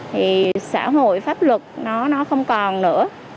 thì xã hội pháp luật nó không còn nữa